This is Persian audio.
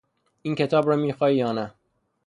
این کتاب را می خواهی یا نه؟